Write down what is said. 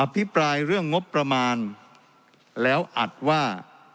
พิปรายเรื่องงบประมาณแล้วอัดว่า